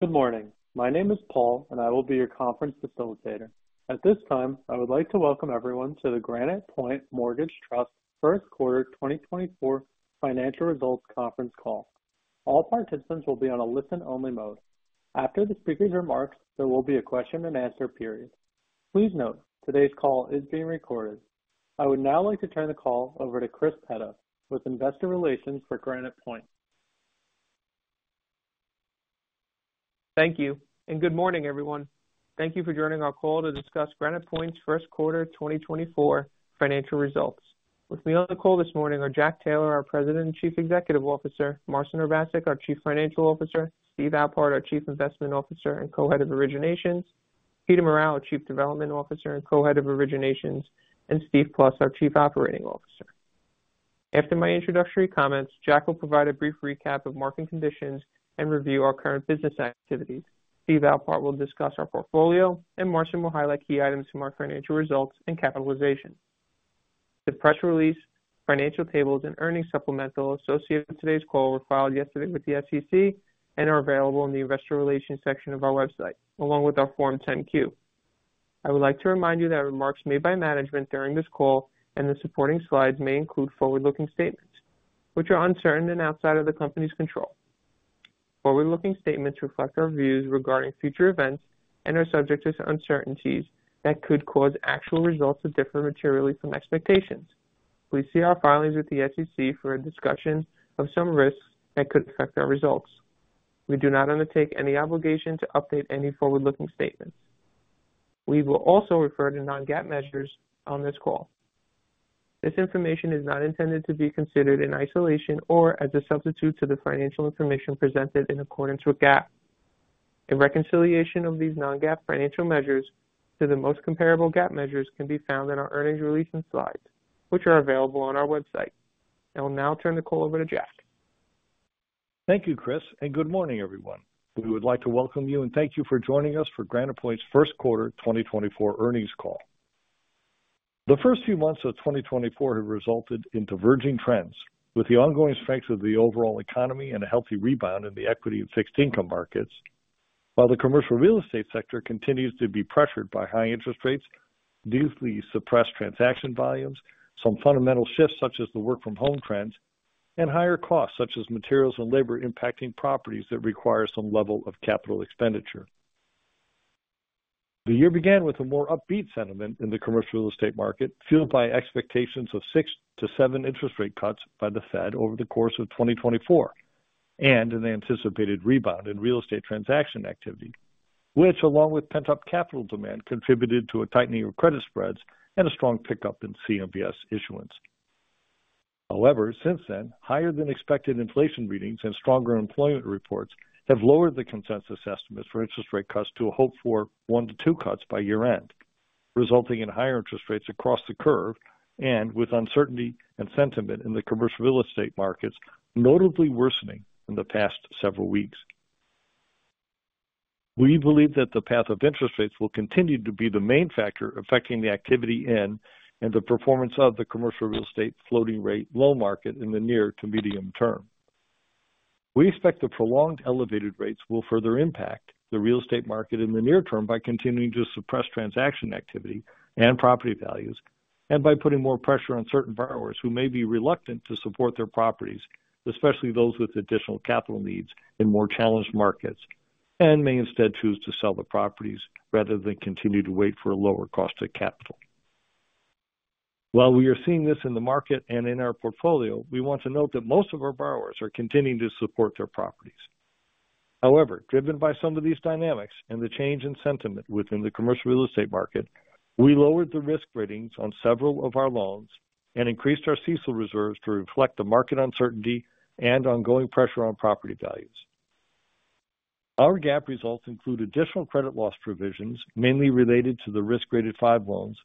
Good morning. My name is Paul, and I will be your conference facilitator. At this time, I would like to welcome everyone to the Granite Point Mortgage Trust first quarter 2024 financial results conference call. All participants will be on a listen-only mode. After the speaker's remarks, there will be a question-and-answer period. Please note, today's call is being recorded. I would now like to turn the call over to Chris Petta with Investor Relations for Granite Point. Thank you, and good morning, everyone. Thank you for joining our call to discuss Granite Point's first quarter 2024 financial results. With me on the call this morning are Jack Taylor, our President and Chief Executive Officer, Marcin Urbaszek, our Chief Financial Officer, Steve Alpart, our Chief Investment Officer and Co-Head of Originations, Peter Morral, Chief Development Officer and Co-Head of Originations, and Steve Plust, our Chief Operating Officer. After my introductory comments, Jack will provide a brief recap of market conditions and review our current business activities. Steve Alpart will discuss our portfolio, and Marcin will highlight key items from our financial results and capitalization. The press release, financial tables, and earnings supplemental associated with today's call were filed yesterday with the SEC and are available in the Investor Relations section of our website, along with our Form 10-Q. I would like to remind you that remarks made by management during this call and the supporting slides may include forward-looking statements, which are uncertain and outside of the company's control. Forward-looking statements reflect our views regarding future events and are subject to uncertainties that could cause actual results to differ materially from expectations. Please see our filings with the SEC for a discussion of some risks that could affect our results. We do not undertake any obligation to update any forward-looking statements. We will also refer to non-GAAP measures on this call. This information is not intended to be considered in isolation or as a substitute to the financial information presented in accordance with GAAP. A reconciliation of these non-GAAP financial measures to the most comparable GAAP measures can be found in our earnings release and slides, which are available on our website. I will now turn the call over to Jack. Thank you, Chris, and good morning, everyone. We would like to welcome you and thank you for joining us for Granite Point's first quarter 2024 earnings call. The first few months of 2024 have resulted in diverging trends, with the ongoing strength of the overall economy and a healthy rebound in the equity and fixed income markets. While the commercial real estate sector continues to be pressured by high interest rates, deeply suppressed transaction volumes, some fundamental shifts such as the work-from-home trends, and higher costs such as materials and labor impacting properties that require some level of capital expenditure. The year began with a more upbeat sentiment in the commercial real estate market, fueled by expectations of 6-7 interest rate cuts by the Fed over the course of 2024 and an anticipated rebound in real estate transaction activity, which, along with pent-up capital demand, contributed to a tightening of credit spreads and a strong pickup in CMBS issuance. However, since then, higher-than-expected inflation readings and stronger employment reports have lowered the consensus estimates for interest rate cuts to a hope for 1-2 cuts by year-end, resulting in higher interest rates across the curve and with uncertainty and sentiment in the commercial real estate markets notably worsening in the past several weeks. We believe that the path of interest rates will continue to be the main factor affecting the activity in and the performance of the commercial real estate floating rate loan market in the near to medium term. We expect the prolonged elevated rates will further impact the real estate market in the near term by continuing to suppress transaction activity and property values and by putting more pressure on certain borrowers who may be reluctant to support their properties, especially those with additional capital needs in more challenged markets, and may instead choose to sell the properties rather than continue to wait for a lower cost of capital. While we are seeing this in the market and in our portfolio, we want to note that most of our borrowers are continuing to support their properties. However, driven by some of these dynamics and the change in sentiment within the commercial real estate market, we lowered the risk ratings on several of our loans and increased our CECL reserves to reflect the market uncertainty and ongoing pressure on property values. Our GAAP results include additional credit loss provisions, mainly related to the risk-rated five loans,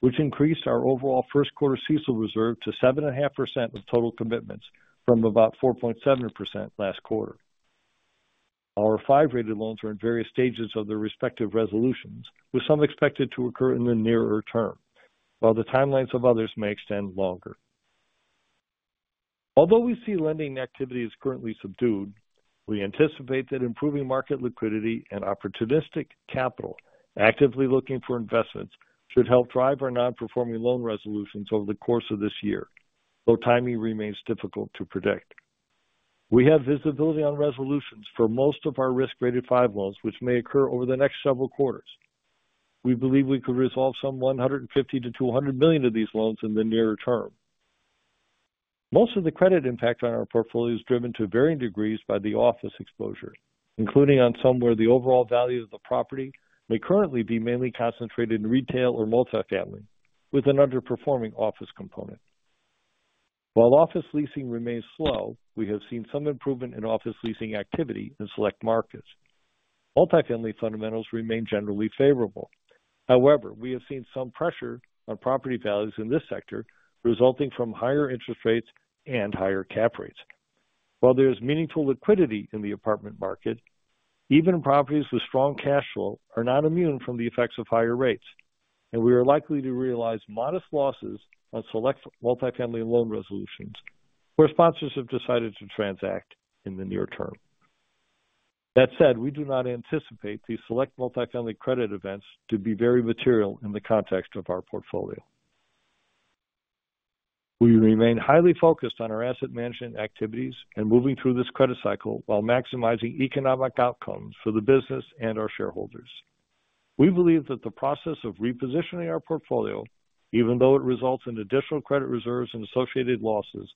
which increased our overall first quarter CECL reserve to 7.5% of total commitments from about 4.7% last quarter. Our five-rated loans are in various stages of their respective resolutions, with some expected to occur in the nearer term, while the timelines of others may extend longer. Although we see lending activity is currently subdued, we anticipate that improving market liquidity and opportunistic capital, actively looking for investments, should help drive our non-performing loan resolutions over the course of this year, though timing remains difficult to predict. We have visibility on resolutions for most of our risk-rated five loans, which may occur over the next several quarters. We believe we could resolve some $150 million-$200 million of these loans in the nearer term. Most of the credit impact on our portfolio is driven to varying degrees by the office exposure, including on some where the overall value of the property may currently be mainly concentrated in retail or multifamily, with an underperforming office component. While office leasing remains slow, we have seen some improvement in office leasing activity in select markets. Multifamily fundamentals remain generally favorable. However, we have seen some pressure on property values in this sector, resulting from higher interest rates and higher cap rates. While there is meaningful liquidity in the apartment market, even properties with strong cash flow are not immune from the effects of higher rates, and we are likely to realize modest losses on select multifamily loan resolutions where sponsors have decided to transact in the near term. That said, we do not anticipate these select multifamily credit events to be very material in the context of our portfolio. We remain highly focused on our asset management activities and moving through this credit cycle while maximizing economic outcomes for the business and our shareholders. We believe that the process of repositioning our portfolio, even though it results in additional credit reserves and associated losses,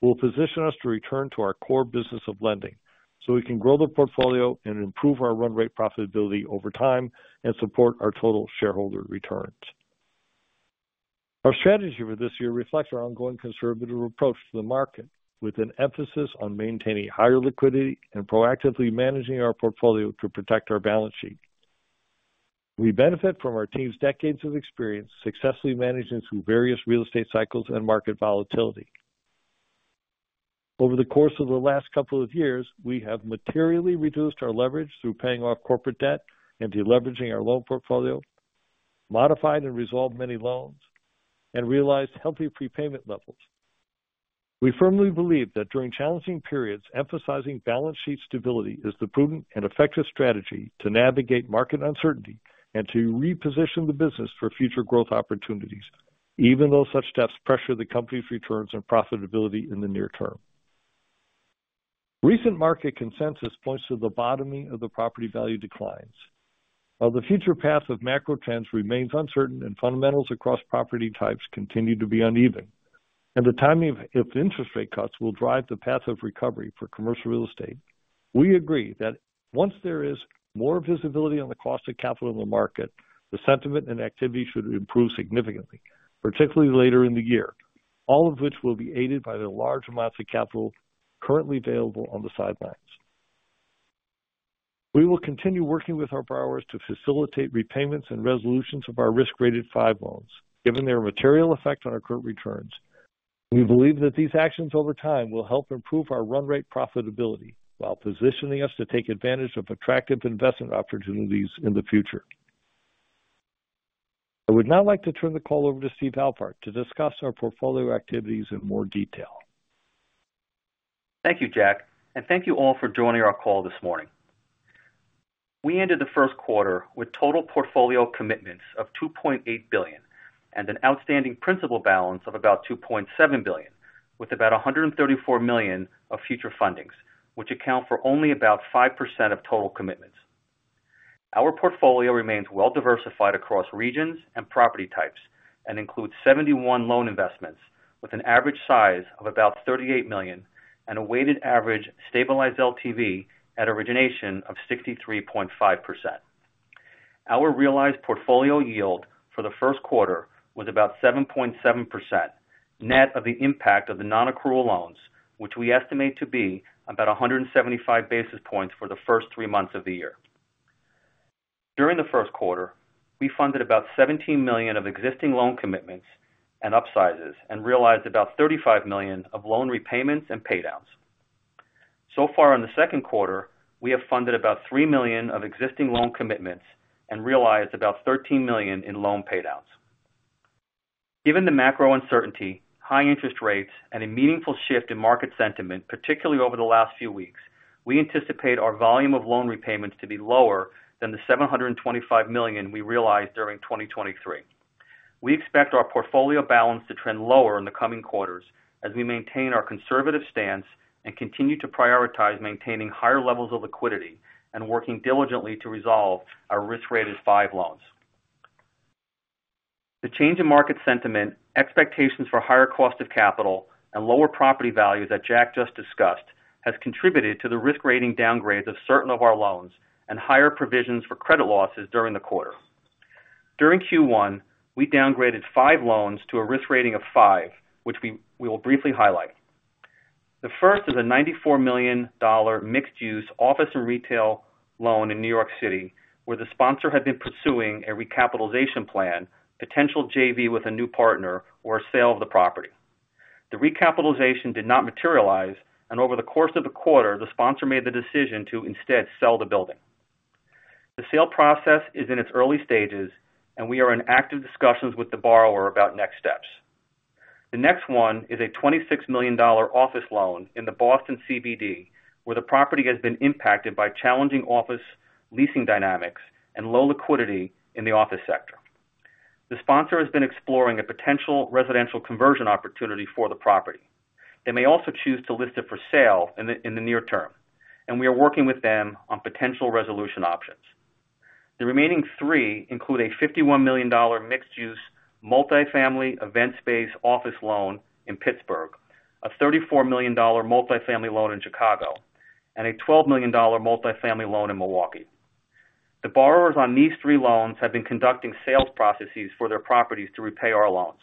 will position us to return to our core business of lending so we can grow the portfolio and improve our run-rate profitability over time and support our total shareholder returns. Our strategy for this year reflects our ongoing conservative approach to the market, with an emphasis on maintaining higher liquidity and proactively managing our portfolio to protect our balance sheet. We benefit from our team's decades of experience successfully managing through various real estate cycles and market volatility. Over the course of the last couple of years, we have materially reduced our leverage through paying off corporate debt and deleveraging our loan portfolio, modified and resolved many loans, and realized healthy prepayment levels. We firmly believe that during challenging periods, emphasizing balance sheet stability is the prudent and effective strategy to navigate market uncertainty and to reposition the business for future growth opportunities, even though such steps pressure the company's returns and profitability in the near term. Recent market consensus points to the bottoming of the property value declines. While the future path of macro trends remains uncertain and fundamentals across property types continue to be uneven, and the timing of interest rate cuts will drive the path of recovery for commercial real estate, we agree that once there is more visibility on the cost of capital in the market, the sentiment and activity should improve significantly, particularly later in the year, all of which will be aided by the large amounts of capital currently available on the sidelines. We will continue working with our borrowers to facilitate repayments and resolutions of our risk-rated five loans, given their material effect on our current returns. We believe that these actions over time will help improve our run-rate profitability while positioning us to take advantage of attractive investment opportunities in the future. I would now like to turn the call over to Steve Alpart to discuss our portfolio activities in more detail. Thank you, Jack, and thank you all for joining our call this morning. We ended the first quarter with total portfolio commitments of $2.8 billion and an outstanding principal balance of about $2.7 billion, with about $134 million of future fundings, which account for only about 5% of total commitments. Our portfolio remains well-diversified across regions and property types and includes 71 loan investments with an average size of about $38 million and a weighted average stabilized LTV at origination of 63.5%. Our realized portfolio yield for the first quarter was about 7.7%, net of the impact of the non-accrual loans, which we estimate to be about 175 basis points for the first three months of the year. During the first quarter, we funded about $17 million of existing loan commitments and upsizes and realized about $35 million of loan repayments and paydowns. So far in the second quarter, we have funded about $3 million of existing loan commitments and realized about $13 million in loan paydowns. Given the macro uncertainty, high interest rates, and a meaningful shift in market sentiment, particularly over the last few weeks, we anticipate our volume of loan repayments to be lower than the $725 million we realized during 2023. We expect our portfolio balance to trend lower in the coming quarters as we maintain our conservative stance and continue to prioritize maintaining higher levels of liquidity and working diligently to resolve our risk-rated five loans. The change in market sentiment, expectations for higher cost of capital, and lower property values that Jack just discussed has contributed to the risk-rating downgrades of certain of our loans and higher provisions for credit losses during the quarter. During Q1, we downgraded five loans to a risk rating of five, which we will briefly highlight. The first is a $94 million mixed-use office and retail loan in New York City, where the sponsor had been pursuing a recapitalization plan, potential JV with a new partner, or a sale of the property. The recapitalization did not materialize, and over the course of the quarter, the sponsor made the decision to instead sell the building. The sale process is in its early stages, and we are in active discussions with the borrower about next steps. The next one is a $26 million office loan in the Boston CBD, where the property has been impacted by challenging office leasing dynamics and low liquidity in the office sector. The sponsor has been exploring a potential residential conversion opportunity for the property. They may also choose to list it for sale in the near term, and we are working with them on potential resolution options. The remaining three include a $51 million mixed-use multifamily event space office loan in Pittsburgh, a $34 million multifamily loan in Chicago, and a $12 million multifamily loan in Milwaukee. The borrowers on these three loans have been conducting sales processes for their properties to repay our loans.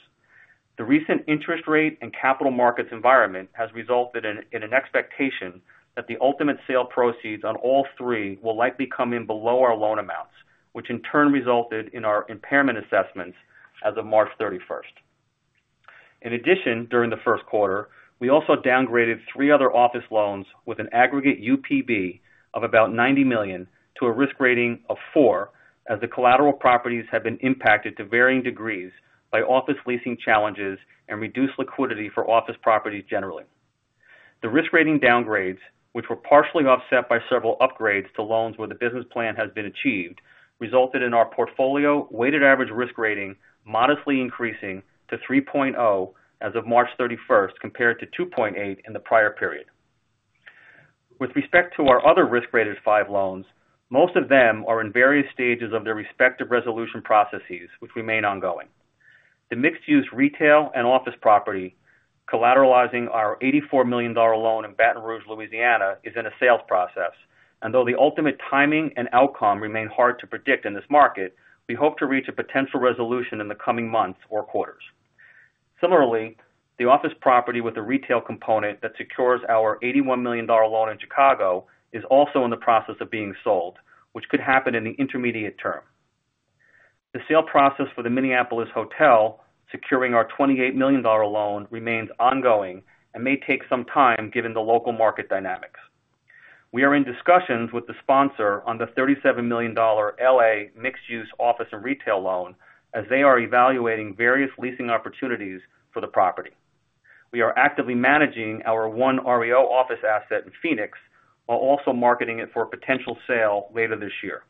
The recent interest rate and capital markets environment has resulted in an expectation that the ultimate sale proceeds on all three will likely come in below our loan amounts, which in turn resulted in our impairment assessments as of March 31st. In addition, during the first quarter, we also downgraded three other office loans with an aggregate UPB of about $90 million to a risk rating of four, as the collateral properties have been impacted to varying degrees by office leasing challenges and reduced liquidity for office properties generally. The risk rating downgrades, which were partially offset by several upgrades to loans where the business plan has been achieved, resulted in our portfolio weighted average risk rating modestly increasing to 3.0 as of March 31st compared to 2.8 in the prior period. With respect to our other risk-rated 5 loans, most of them are in various stages of their respective resolution processes, which remain ongoing. The mixed-use retail and office property, collateralizing our $84 million loan in Baton Rouge, Louisiana, is in a sales process, and though the ultimate timing and outcome remain hard to predict in this market, we hope to reach a potential resolution in the coming months or quarters. Similarly, the office property with the retail component that secures our $81 million loan in Chicago is also in the process of being sold, which could happen in the intermediate term. The sale process for the Minneapolis Hotel, securing our $28 million loan, remains ongoing and may take some time given the local market dynamics. We are in discussions with the sponsor on the $37 million LA mixed-use office and retail loan as they are evaluating various leasing opportunities for the property. We are actively managing our one REO office asset in Phoenix while also marketing it for a potential sale later this year.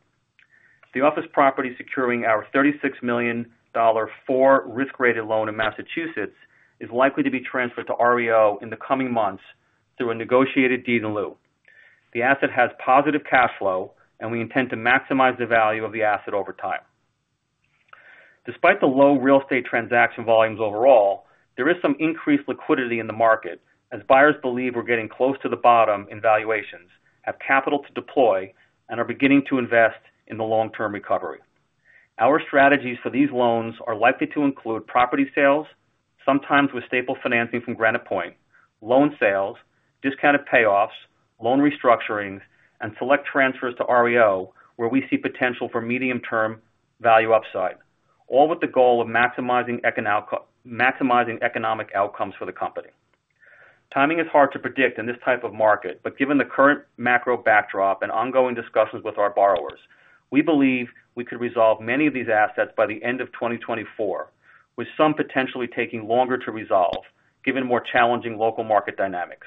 The office property securing our $36 million for risk-rated loan in Massachusetts is likely to be transferred to REO in the coming months through a negotiated deed-in-lieu. The asset has positive cash flow, and we intend to maximize the value of the asset over time. Despite the low real estate transaction volumes overall, there is some increased liquidity in the market as buyers believe we're getting close to the bottom in valuations, have capital to deploy, and are beginning to invest in the long-term recovery. Our strategies for these loans are likely to include property sales, sometimes with staple financing from Granite Point, loan sales, discounted payoffs, loan restructurings, and select transfers to REO where we see potential for medium-term value upside, all with the goal of maximizing economic outcomes for the company. Timing is hard to predict in this type of market, but given the current macro backdrop and ongoing discussions with our borrowers, we believe we could resolve many of these assets by the end of 2024, with some potentially taking longer to resolve given more challenging local market dynamics.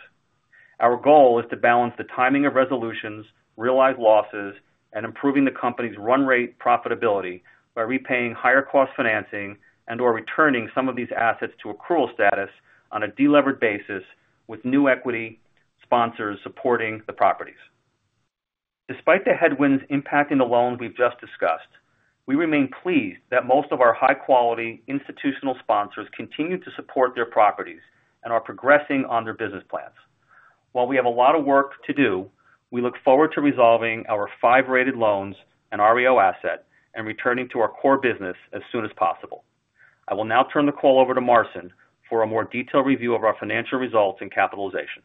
Our goal is to balance the timing of resolutions, realized losses, and improving the company's run-rate profitability by repaying higher-cost financing and/or returning some of these assets to accrual status on a delivered basis with new equity sponsors supporting the properties. Despite the headwinds impacting the loans we've just discussed, we remain pleased that most of our high-quality institutional sponsors continue to support their properties and are progressing on their business plans. While we have a lot of work to do, we look forward to resolving our five-rated loans and REO asset and returning to our core business as soon as possible. I will now turn the call over to Marcin for a more detailed review of our financial results and capitalization.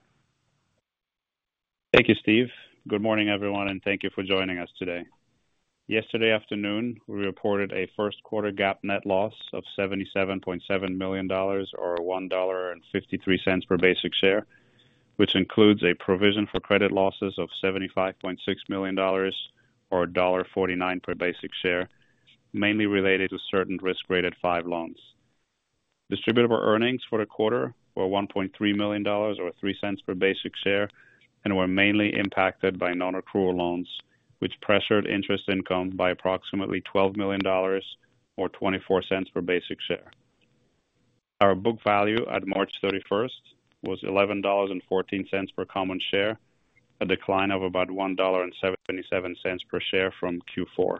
Thank you, Steve. Good morning, everyone, and thank you for joining us today. Yesterday afternoon, we reported a first-quarter GAAP net loss of $77.7 million or $1.53 per basic share, which includes a provision for credit losses of $75.6 million or $1.49 per basic share, mainly related to certain risk-rated five loans. Distributable earnings for the quarter were $1.3 million or $0.03 per basic share and were mainly impacted by non-accrual loans, which pressured interest income by approximately $12 million or $0.24 per basic share. Our book value at March 31st was $11.14 per common share, a decline of about $1.77 per share from Q4,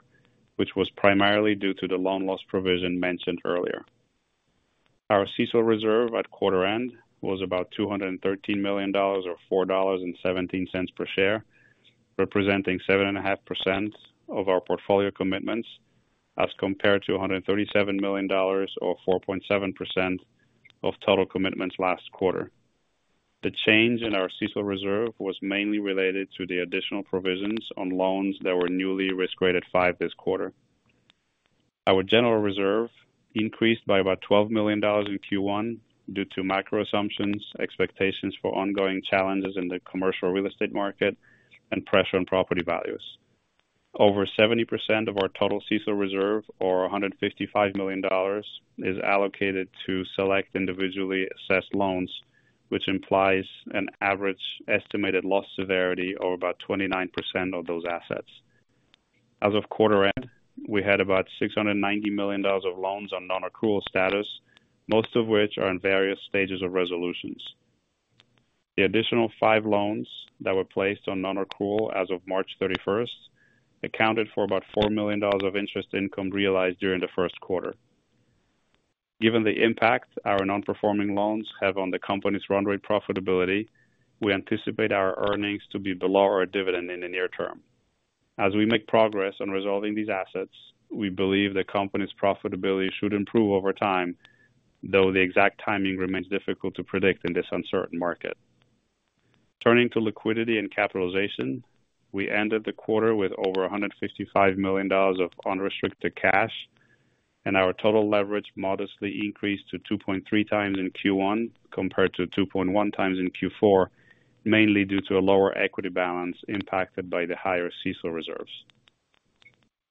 which was primarily due to the loan loss provision mentioned earlier. Our CECL reserve at quarter-end was about $213 million or $4.17 per share, representing 7.5% of our portfolio commitments as compared to $137 million or 4.7% of total commitments last quarter. The change in our CECL reserve was mainly related to the additional provisions on loans that were newly risk-rated five this quarter. Our general reserve increased by about $12 million in Q1 due to macro assumptions, expectations for ongoing challenges in the commercial real estate market, and pressure on property values. Over 70% of our total CECL reserve, or $155 million, is allocated to select individually assessed loans, which implies an average estimated loss severity of about 29% of those assets. As of quarter-end, we had about $690 million of loans on non-accrual status, most of which are in various stages of resolutions. The additional five loans that were placed on non-accrual as of March 31st accounted for about $4 million of interest income realized during the first quarter. Given the impact our non-performing loans have on the company's run-rate profitability, we anticipate our earnings to be below our dividend in the near term. As we make progress on resolving these assets, we believe the company's profitability should improve over time, though the exact timing remains difficult to predict in this uncertain market. Turning to liquidity and capitalization, we ended the quarter with over $155 million of unrestricted cash, and our total leverage modestly increased to 2.3x in Q1 compared to 2.1x in Q4, mainly due to a lower equity balance impacted by the higher CECL reserves.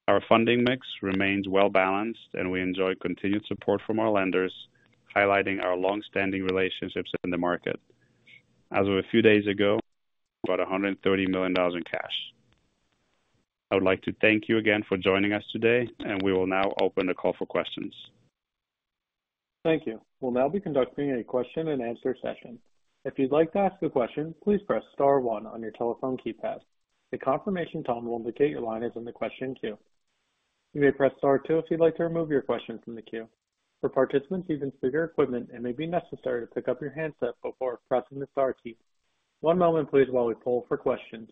Our funding mix remains well-balanced, and we enjoy continued support from our lenders, highlighting our longstanding relationships in the market. As of a few days ago, we had about $130 million in cash. I would like to thank you again for joining us today, and we will now open the call for questions. Thank you. We'll now be conducting a question-and-answer session. If you'd like to ask a question, please press star 1 on your telephone keypad. The confirmation tone will indicate your line is in the question queue. You may press star 2 if you'd like to remove your question from the queue. For participants using speaker equipment, it may be necessary to pick up your handset before pressing the star key. One moment, please, while we pull for questions.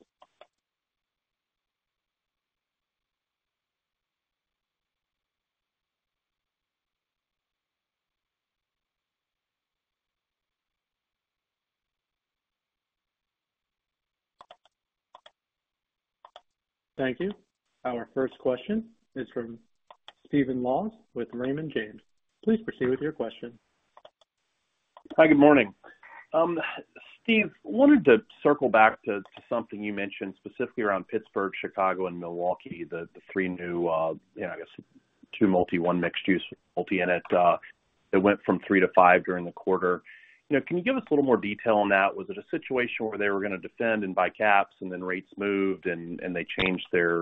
Thank you. Our first question is from Stephen Laws with Raymond James. Please proceed with your question. Hi. Good morning. Steve, wanted to circle back to something you mentioned specifically around Pittsburgh, Chicago, and Milwaukee, the 3 new, you know, I guess, 2 multi, 1 mixed-use multi-units, that went from 3 to 5 during the quarter. You know, can you give us a little more detail on that? Was it a situation where they were gonna defend and buy caps, and then rates moved, and they changed their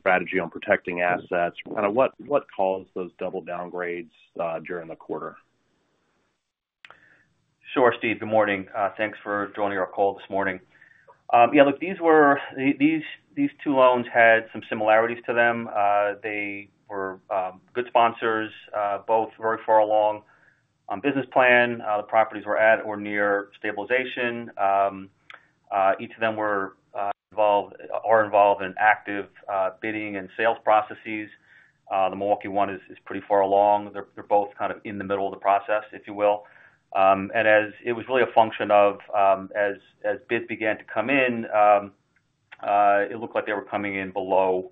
strategy on protecting assets? Kind of what caused those double downgrades during the quarter? Sure, Steve. Good morning. Thanks for joining our call this morning. Yeah, look, these were these two loans had some similarities to them. They were good sponsors, both very far along on business plan. The properties were at or near stabilization. Each of them were involved, are involved in active bidding and sales processes. The Milwaukee one is pretty far along. They're both kind of in the middle of the process, if you will. And as it was really a function of, as bids began to come in, it looked like they were coming in below,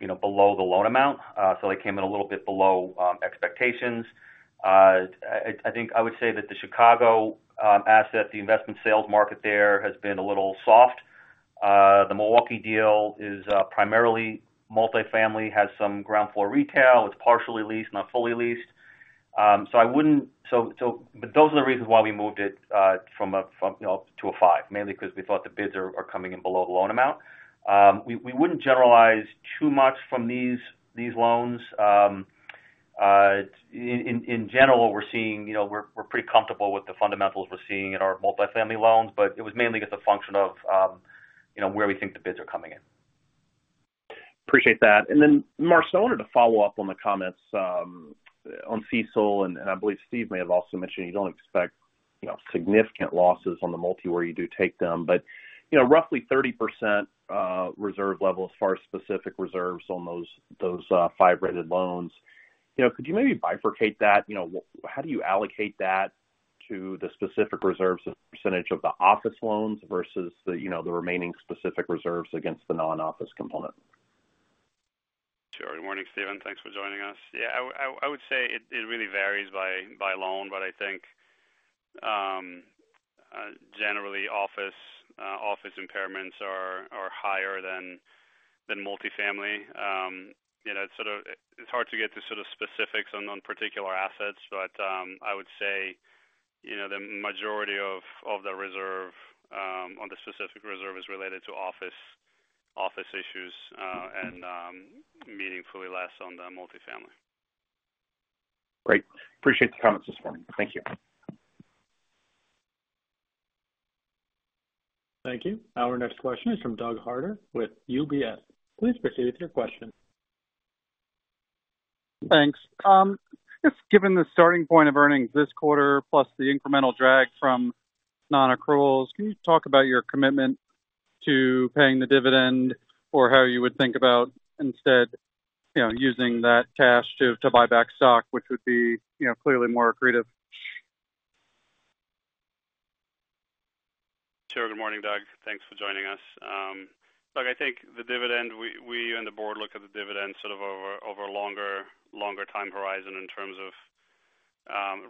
you know, below the loan amount. So they came in a little bit below expectations. I think I would say that the Chicago asset, the investment sales market there has been a little soft. The Milwaukee deal is primarily multifamily, has some ground floor retail. It's partially leased, not fully leased. So, but those are the reasons why we moved it from, you know, to a five, mainly 'cause we thought the bids are coming in below the loan amount. We wouldn't generalize too much from these loans. In general, we're seeing you know, we're pretty comfortable with the fundamentals we're seeing in our multifamily loans, but it was mainly just a function of, you know, where we think the bids are coming in. Appreciate that. And then, Marcin, I wanted to follow up on the comments on CECL, and I believe Steve may have also mentioned you don't expect, you know, significant losses on the multi where you do take them, but, you know, roughly 30% reserve level as far as specific reserves on those five-rated loans. You know, could you maybe bifurcate that? You know, how do you allocate that to the specific reserves, the percentage of the office loans versus the, you know, the remaining specific reserves against the non-office component? Sure. Good morning, Steven. Thanks for joining us. Yeah, I would say it really varies by loan, but I think, generally, office impairments are higher than multifamily. You know, it's sort of hard to get to sort of specifics on particular assets, but, I would say, you know, the majority of the reserve, on the specific reserve is related to office issues, and, meaningfully less on the multifamily. Great. Appreciate the comments this morning. Thank you. Thank you. Our next question is from Doug Harter with UBS. Please proceed with your question. Thanks. Just given the starting point of earnings this quarter plus the incremental drag from non-accruals, can you talk about your commitment to paying the dividend or how you would think about instead, you know, using that cash to buy back stock, which would be, you know, clearly more accretive? Sure. Good morning, Doug. Thanks for joining us. Look, I think the dividend we and the board look at the dividend sort of over a longer time horizon in terms of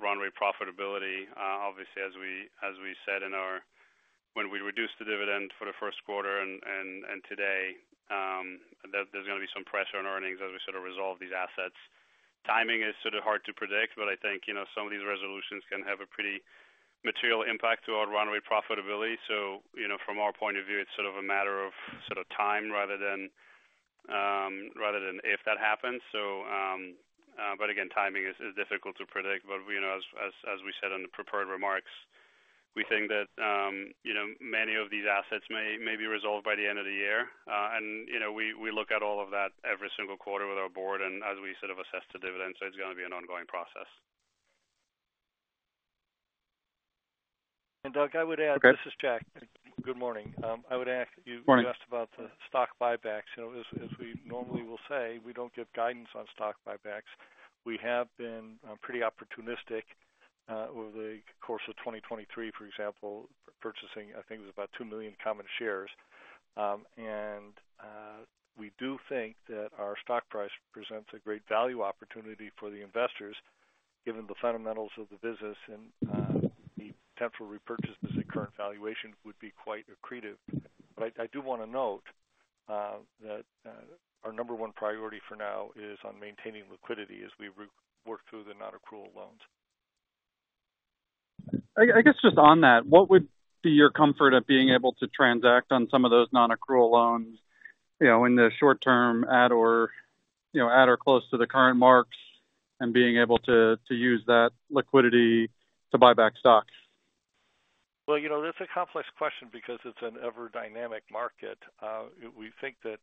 run-rate profitability. Obviously, as we said when we reduced the dividend for the first quarter and today, there's gonna be some pressure on earnings as we sort of resolve these assets. Timing is sort of hard to predict, but I think, you know, some of these resolutions can have a pretty material impact to our run-rate profitability. So, you know, from our point of view, it's sort of a matter of sort of time rather than if that happens. But again, timing is difficult to predict. But we, you know, as we said in the prepared remarks, we think that, you know, many of these assets may be resolved by the end of the year. And, you know, we look at all of that every single quarter with our board, and as we sort of assess the dividend, so it's gonna be an ongoing process. Doug, I would add. Okay. This is Jack. Good morning. I would ask you. Morning. You asked about the stock buybacks. You know, as we normally will say, we don't give guidance on stock buybacks. We have been pretty opportunistic over the course of 2023, for example, purchasing I think it was about 2 million common shares. And we do think that our stock price presents a great value opportunity for the investors given the fundamentals of the business and the potential repurchase as the current valuation would be quite accretive. But I do wanna note that our number one priority for now is on maintaining liquidity as we rework through the non-accrual loans. I guess just on that, what would be your comfort at being able to transact on some of those non-accrual loans, you know, in the short term at or, you know, at or close to the current marks and being able to use that liquidity to buy back stock? Well, you know, that's a complex question because it's an ever-dynamic market. We think that,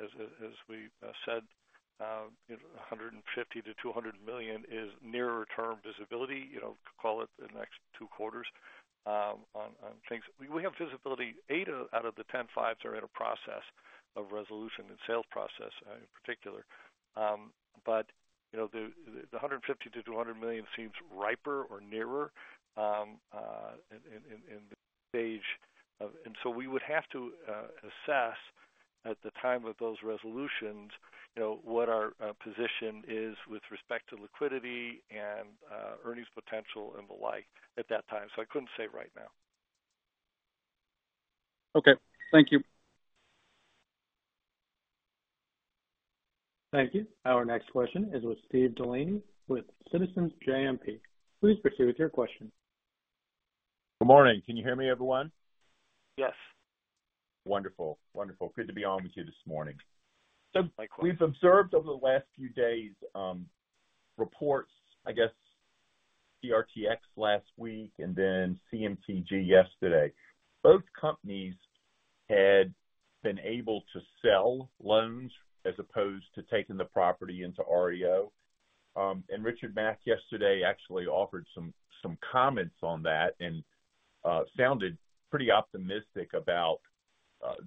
as we said, you know, $150 million-$200 million is nearer-term visibility, you know, call it the next two quarters, on things. We have visibility. Eight out of the 10 fives are in a process of resolution, the sales process, in particular. But, you know, the $150 million-$200 million seems riper or nearer in stage of and so we would have to assess at the time of those resolutions, you know, what our position is with respect to liquidity and earnings potential and the like at that time. So I couldn't say right now. Okay. Thank you. Thank you. Our next question is with Steve Delaney with Citizens JMP. Please proceed with your question. Good morning. Can you hear me, everyone? Yes. Wonderful. Wonderful. Good to be on with you this morning. Doug, my question. We've observed over the last few days reports, I guess, TRTX last week and then CMTG yesterday. Both companies had been able to sell loans as opposed to taking the property into REO. And Richard Mack yesterday actually offered some comments on that and sounded pretty optimistic about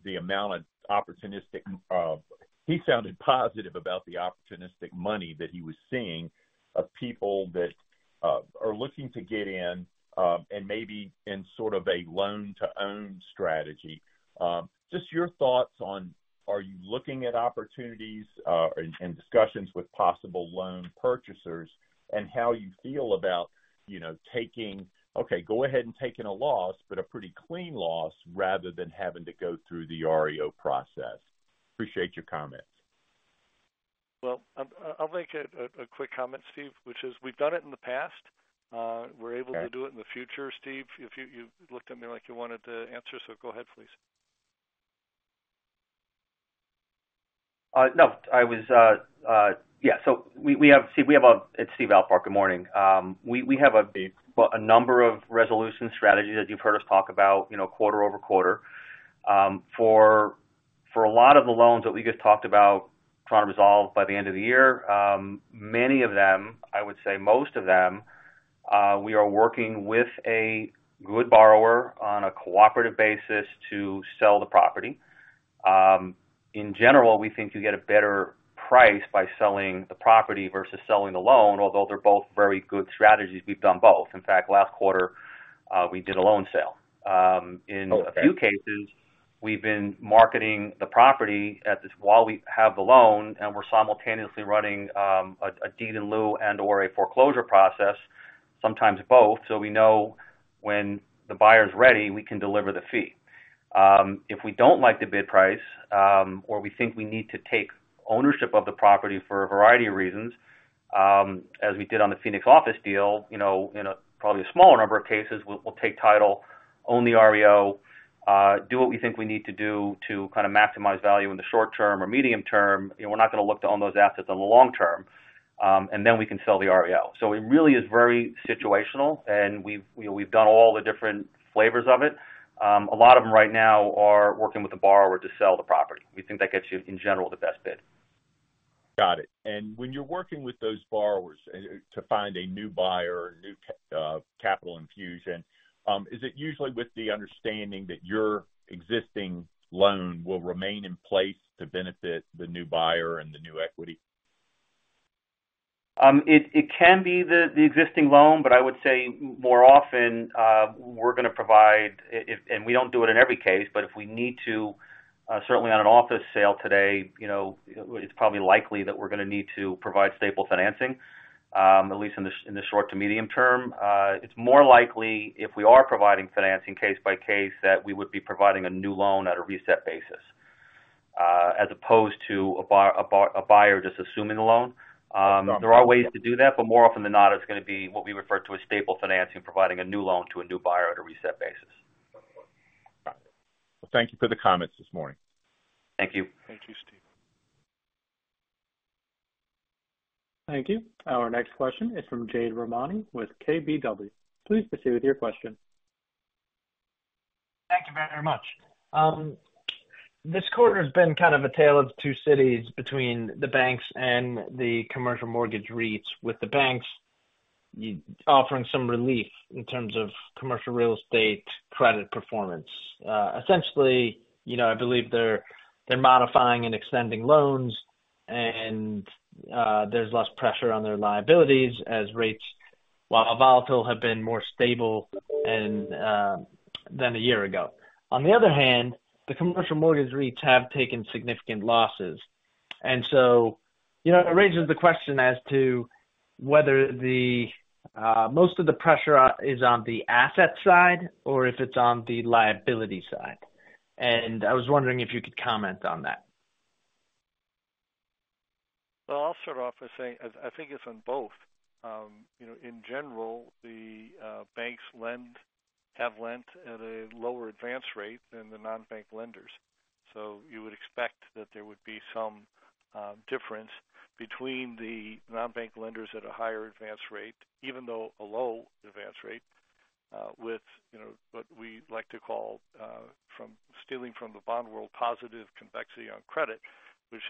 the amount of opportunistic money. He sounded positive about the opportunistic money that he was seeing of people that are looking to get in and maybe in sort of a loan-to-own strategy. Just your thoughts on are you looking at opportunities and discussions with possible loan purchasers and how you feel about you know taking okay go ahead and taking a loss but a pretty clean loss rather than having to go through the REO process. Appreciate your comments. Well, I'll make a quick comment, Steve, which is we've done it in the past. We're able to do it in the future, Steve, if you looked at me like you wanted to answer. So go ahead, please. No. I was, yeah. So we have Steve. It's Steve Alpart. Good morning. We have a. Steve. But a number of resolution strategies that you've heard us talk about, you know, quarter-over-quarter. For a lot of the loans that we just talked about trying to resolve by the end of the year, many of them, I would say most of them, we are working with a good borrower on a cooperative basis to sell the property. In general, we think you get a better price by selling the property versus selling the loan, although they're both very good strategies. We've done both. In fact, last quarter, we did a loan sale. In. Okay. A few cases, we've been marketing the property at this while we have the loan, and we're simultaneously running a deed-in-lieu and/or a foreclosure process, sometimes both, so we know when the buyer's ready, we can deliver the fee. If we don't like the bid price, or we think we need to take ownership of the property for a variety of reasons, as we did on the Phoenix office deal, you know, in probably a smaller number of cases, we'll take title, own the REO, do what we think we need to do to kind of maximize value in the short term or medium term. You know, we're not gonna look to own those assets in the long term, and then we can sell the REO. So it really is very situational, and we've, you know, we've done all the different flavors of it. A lot of them right now are working with the borrower to sell the property. We think that gets you, in general, the best bid. Got it. When you're working with those borrowers and to find a new buyer, new capital infusion, is it usually with the understanding that your existing loan will remain in place to benefit the new buyer and the new equity? It can be the existing loan, but I would say more often, we're gonna provide if and we don't do it in every case, but if we need to, certainly on an office sale today, you know, it's probably likely that we're gonna need to provide staple financing, at least in the short to medium term. It's more likely if we are providing financing case by case that we would be providing a new loan at a reset basis, as opposed to a buyer just assuming the loan. Okay. There are ways to do that, but more often than not, it's gonna be what we refer to as staple financing, providing a new loan to a new buyer at a reset basis. Got it. Well, thank you for the comments this morning. Thank you. Thank you, Steve. Thank you. Our next question is from Jade Rahmani with KBW. Please proceed with your question. Thank you very much. This quarter has been kind of a tale of two cities between the banks and the commercial mortgage REITs, with the banks by offering some relief in terms of commercial real estate credit performance. Essentially, you know, I believe they're, they're modifying and extending loans, and, there's less pressure on their liabilities as rates while volatile have been more stable and, than a year ago. On the other hand, the commercial mortgage REITs have taken significant losses. So, you know, it raises the question as to whether the, most of the pressure, is on the asset side or if it's on the liability side. I was wondering if you could comment on that. Well, I'll start off by saying I, I think it's on both. You know, in general, the banks have lent at a lower advance rate than the non-bank lenders. So you would expect that there would be some difference between the non-bank lenders at a higher advance rate, even though a low advance rate, with, you know, what we like to call, from stealing from the bond world positive convexity on credit, which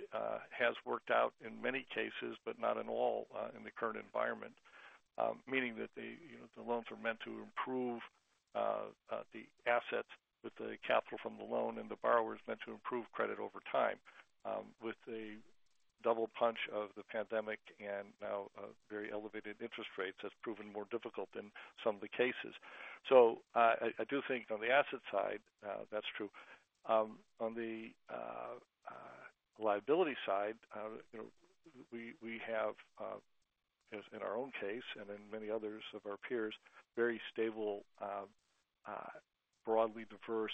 has worked out in many cases but not in all, in the current environment, meaning that they, you know, the loans are meant to improve the assets with the capital from the loan, and the borrower's meant to improve credit over time, with a double punch of the pandemic and now very elevated interest rates has proven more difficult in some of the cases. So, I, I do think on the asset side, that's true. On the liability side, you know, we have, as in our own case and in many others of our peers, very stable, broadly diverse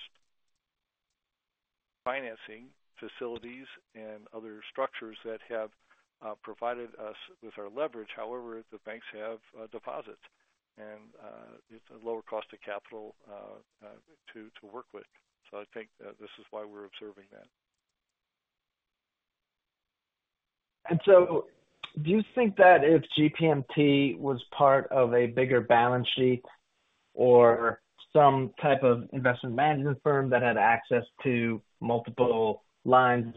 financing facilities and other structures that have provided us with our leverage. However, the banks have deposits, and it's a lower cost of capital to work with. So I think that this is why we're observing that. So do you think that if GPMT was part of a bigger balance sheet or some type of investment management firm that had access to multiple lines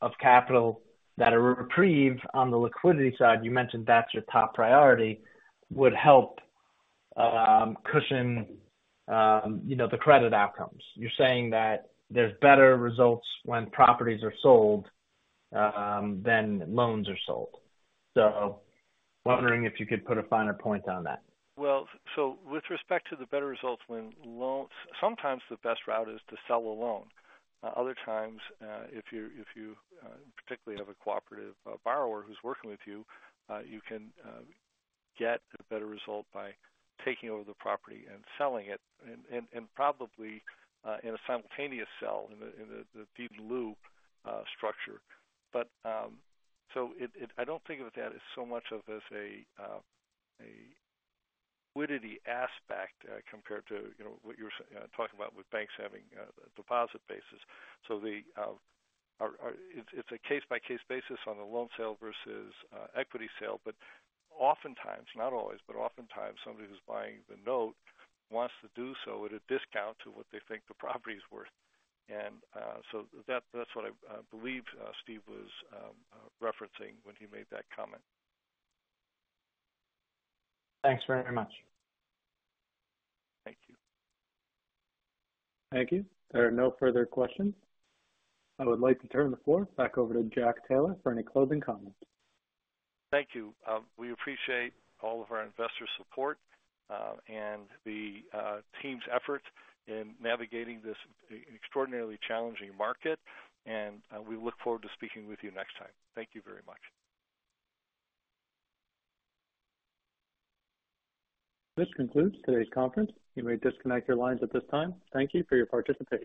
of capital that provide relief on the liquidity side—you mentioned that's your top priority—would help cushion, you know, the credit outcomes? You're saying that there's better results when properties are sold than loans are sold. So wondering if you could put a finer point on that. Well, with respect to the better results when loans, sometimes the best route is to sell a loan. Other times, if you particularly have a cooperative borrower who's working with you, you can get a better result by taking over the property and selling it and probably in a simultaneous sale in the deed-in-lieu structure. But I don't think of it as so much of a liquidity aspect, compared to, you know, what you were talking about with banks having a deposit basis. So it's a case-by-case basis on the loan sale versus equity sale, but oftentimes, not always, but oftentimes, somebody who's buying the note wants to do so at a discount to what they think the property's worth. So that's what I believe Steve was referencing when he made that comment. Thanks very much. Thank you. Thank you. There are no further questions. I would like to turn the floor back over to Jack Taylor for any closing comments. Thank you. We appreciate all of our investor support, and the team's effort in navigating this extraordinarily challenging market. We look forward to speaking with you next time. Thank you very much. This concludes today's conference. You may disconnect your lines at this time. Thank you for your participation.